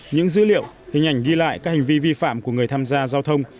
những dữ liệu hình ảnh ghi lại các hành vi vi phạm của người tham gia giao thông